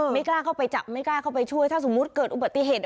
ไม่กล้าเข้าไปจับไม่กล้าเข้าไปช่วยถ้าสมมุติเกิดอุบัติเหตุ